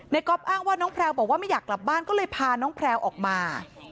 ก๊อฟอ้างว่าน้องแพลวบอกว่าไม่อยากกลับบ้านก็เลยพาน้องแพลวออกมา